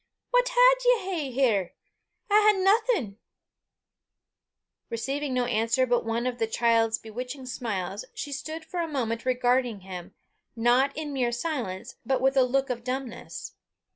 What wad ye hae here? I hae naething." Receiving no answer but one of the child's betwitching smiles, she stood for a moment regarding him, not in mere silence, but with a look of dumbness.